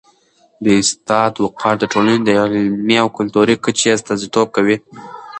د استاد وقار د ټولني د علمي او کلتوري کچي استازیتوب کوي.